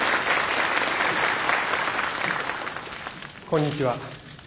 こんにちは。